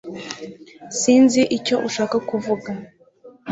sinzi icyo ushaka kuvuga